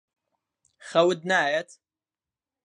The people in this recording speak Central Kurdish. خەوت نایەت؟